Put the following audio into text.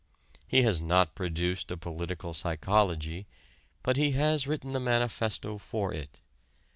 He has not produced a political psychology, but he has written the manifesto for it.